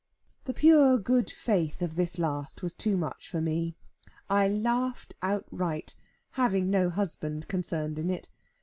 The pure good faith of this last was too much for me. I laughed outright, having no husband concerned in it.